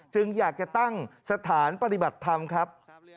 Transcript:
อยากจะตั้งสถานปฏิบัติธรรมครับ